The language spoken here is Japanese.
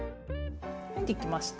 はいできました。